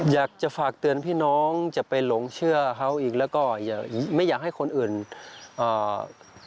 อยากจะฝากเตือนพี่น้องจะไปหลงเชื่อเขาอีกแล้วก็อย่าไม่อยากให้คนอื่นอ่า